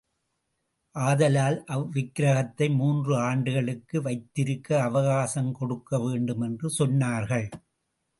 ஆதலால் அவ்விக்கிரகத்தை மூன்று ஆண்டுகளுக்கு வைத்திருக்க அவகாசம் கொடுக்க வேண்டும் என்று சொன்னார்கள்.